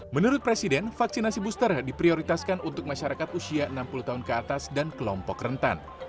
menurut presiden vaksinasi booster diprioritaskan untuk masyarakat usia enam puluh tahun ke atas dan kelompok rentan